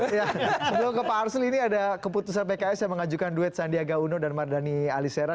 sebelum ke pak arsul ini ada keputusan pks yang mengajukan duit sandiaga uno dan mardani alisera